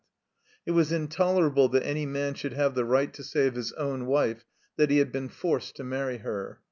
It was intolerable that any man should have the right to say of his own wife that he had been forced to marry her.